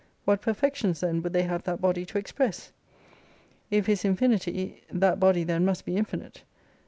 What perfec tions then would they have that body to express| ? If His infinity, that body then must be infinite.